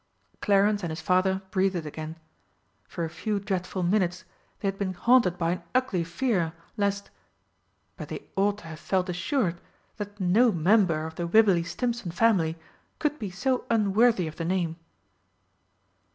Clarence and his father breathed again. For a few dreadful minutes they had been haunted by an ugly fear lest but they ought to have felt assured that no member of the Wibberley Stimpson family could be so unworthy of the name.